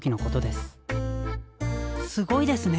すごいですね！